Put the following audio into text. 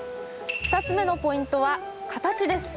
２つ目のポイントは形です。